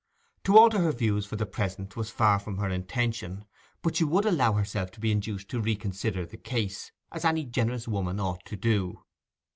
To alter her views for the present was far from her intention; but she would allow herself to be induced to reconsider the case, as any generous woman ought to do.